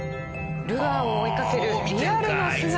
ルアーを追いかけるリアルな姿に。